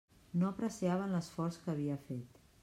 No apreciaven l'esforç que havia fet.